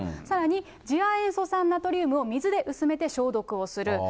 さらに次亜塩素酸ナトリウムを水で薄めて消毒をする。